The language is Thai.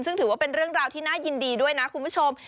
ซึ่งถือว่าเป็นเรื่องราวที่น่ายินดีด้วยนะคุณผู้ชม